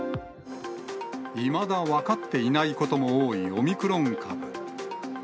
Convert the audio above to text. いまだ分かっていないことも多いオミクロン株。